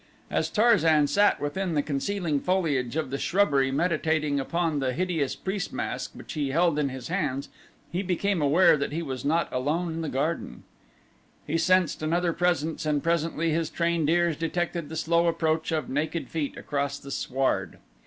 As Tarzan sat within the concealing foliage of the shrubbery meditating upon the hideous priest mask which he held in his hands he became aware that he was not alone in the garden. He sensed another presence and presently his trained ears detected the slow approach of naked feet across the sward.